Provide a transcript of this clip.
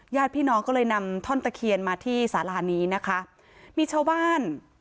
ญาติพี่น้องก็เลยนำท่อนตะเคียนมาที่สารานี้นะคะมีชาวบ้าน